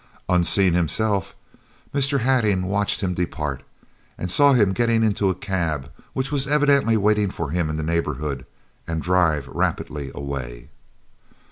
Unseen himself, Mr. Hattingh watched him depart, and saw him getting into a cab, which was evidently waiting for him in the neighbourhood, and drive rapidly away.